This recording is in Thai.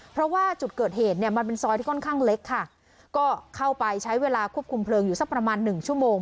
เพราะว่าจุดเกิดเหตุเนี่ยมันเป็นซอยที่ค่อนข้างเล็กค่ะก็เข้าไปใช้เวลาควบคุมเพลิงอยู่สักประมาณหนึ่งชั่วโมง